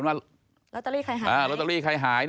งวด๑พฤศจิกายน๒๕๖๐๕๓๓๗๒๖